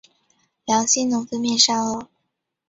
良心能分辨善恶。